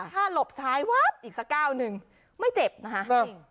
ถ้าหลบซ้ายวับอีกสักก้าวหนึ่งไม่เจ็บนะคะ